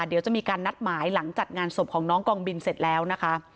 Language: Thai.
เดี๋ยวจะมีการนัดหมายหลังจัดงานศพของน้องกองบินเสร็จแล้วนะคะ